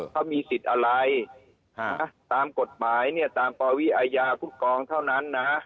เขามีสิทธิ์อะไรตามกฎหมายเนี่ยตามปวิอาญาคุ้มครองเท่านั้นนะฮะ